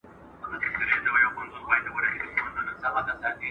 تخنيکي خلک بايد کار وکړي.